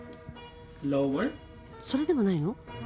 それでもないの？